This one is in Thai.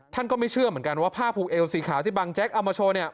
ท่านก็ไม่เชื่อเหมือนกันว่าผ้าผูกเอวสีขาวที่บางแจ๊กเอามาโชว์เนี่ย